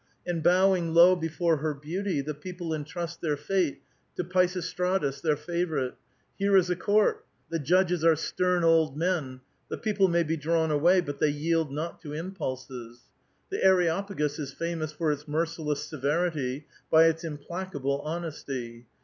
And bowing low before her beauty, the people entrust their fate to Peisistratos, their favorite. Here is a court ; the judges are stem old men, — the 'people may be drawn away, but they 3'ield not to impulses. The Areopagos is famous for its merciless severity, by its implacable honesty.